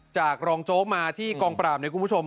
จากรองโจ๊กมาที่กองปราบเนี่ยคุณผู้ชม